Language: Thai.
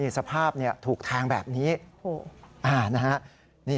สภาพถูกแทงแบบนี้